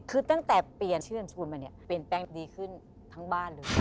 คือตั้งแต่เปลี่ยนชื่อนามสกุลมาเนี่ยเปลี่ยนแปลงดีขึ้นทั้งบ้านเลย